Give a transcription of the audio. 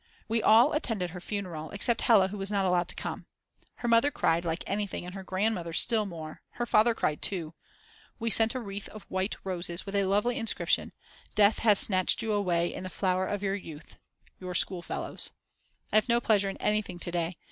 We all attended her funeral, except Hella who was not allowed to come. Her mother cried like anything and her grandmother still more; her father cried too. We sent a wreath of white roses with a lovely inscription: Death has snatched you away in the flower of your youth Your Schoolfellows. I have no pleasure in anything to day.